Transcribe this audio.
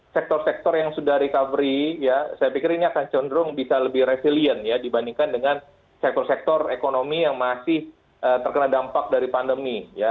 sektor sektor yang sudah recovery ya saya pikir ini akan cenderung bisa lebih resilient ya dibandingkan dengan sektor sektor ekonomi yang masih terkena dampak dari pandemi